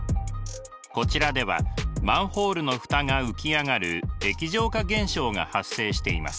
こちらではマンホールのふたが浮き上がる液状化現象が発生しています。